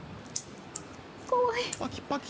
怖い。